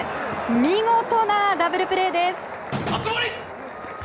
見事なダブルプレーです。